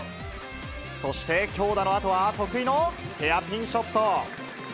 そして強打のあとは得意のヘアピンショット。